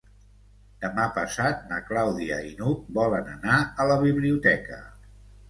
Demà passat na Clàudia i n'Hug volen anar a la biblioteca.